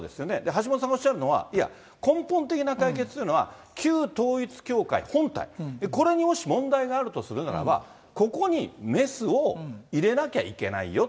橋下さんがおっしゃるのは、いや、根本的な解決というのは、旧統一教会本体、これにもし問題があるとするならば、ここにメスを入れなきゃいけないよ。